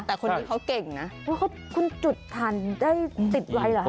แต่คนนี้เขาเก่งนะคุณจุดทานได้ติดไว้เหรอ